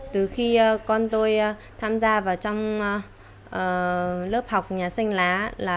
từ khi con tôi tham gia vào trong lớp học nhà xanh lá